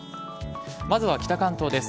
まずは北関東です。